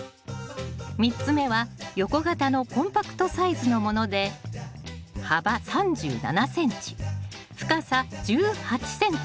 ３つ目は横型のコンパクトサイズのもので幅３７ｃｍ深さ１８ｃｍ。